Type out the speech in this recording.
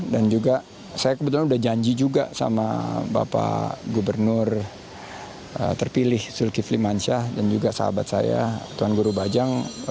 dan juga saya kebetulan sudah janji juga sama bapak gubernur terpilih zulkifli mansyah dan juga sahabat saya tuan guru bajang